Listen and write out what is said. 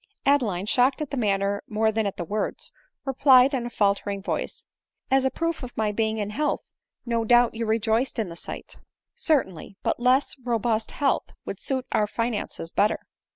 Adeline, shocked at the manner more than at the words, replied in a faltering voice, "As a proof of my being in health, no doubt you rejoiced in the sight. " Certainly ; but less robust health would suit our finan ces better."